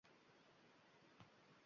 Yo‘llarda ko‘rinuvchanlik cheklangan